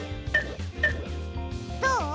どう？